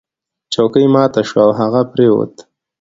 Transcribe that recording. چوکۍ ماته شوه او هغه پریوت.